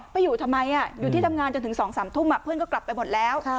ไปอยู่ทำไมอยู่ที่ทำงานจนถึง๒๓ทุ่มเพื่อนก็กลับไปหมดแล้ว